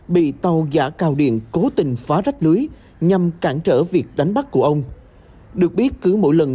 bị tàu giả cào điện cố tình phá rách lưới nhằm cản trở việc đánh bắt của ông được biết cứ mỗi lần